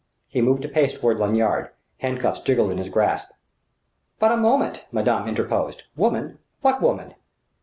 He moved a pace toward Lanyard: hand cuffs jingled in his grasp. "But a moment!" madame interposed. "Woman? What woman?"